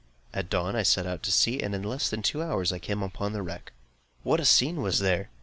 At dawn I set out to sea, and in less than two hours I came up to the wreck. What a scene was there!